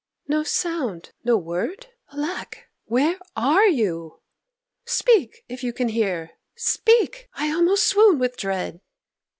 No sound, no word! Alack, where are you? Speak, if you can hear! Speak! I almost swoon with dread."